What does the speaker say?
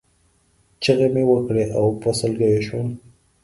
چغې مې وکړې او په سلګیو شوم.